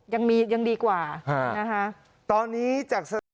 ยังมียังดีกว่านะคะ